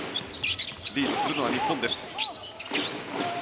リードするのは日本です。